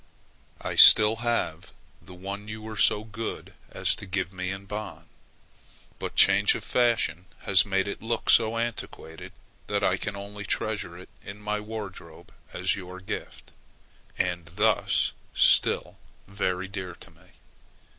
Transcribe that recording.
I still have the one you were so good as to give me in Bonn; but change of fashion has made it look so antiquated, that I can only treasure it in my wardrobe as your gift, and thus still very dear to me.